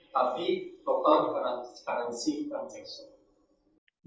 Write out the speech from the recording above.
tapi total diperansikan transaksi